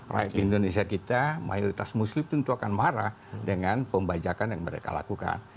rakyat indonesia kita mayoritas muslim tentu akan marah dengan pembajakan yang mereka lakukan